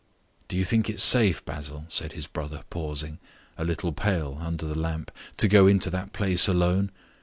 "Do you think it's safe, Basil," said his brother, pausing, a little pale, under the lamp, "to go into that place alone?